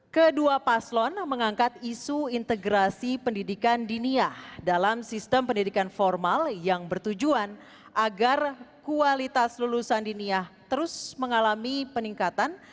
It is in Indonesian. kedua paslon mengangkat isu integrasi pendidikan diniah dalam sistem pendidikan formal yang bertujuan agar kualitas lulusan diniah terus mengalami peningkatan